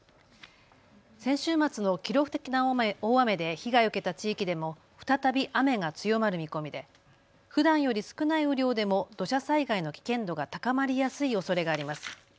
先週末の記録的な大雨で被害を受けた地域でも再び雨が強まる見込みでふだんより少ない雨量でも土砂災害の危険度が高まりやすいおそれがあります。